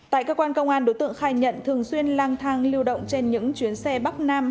tại cơ quan công an đối tượng khai nhận thường xuyên lang thang lưu động trên những chuyến xe bắc nam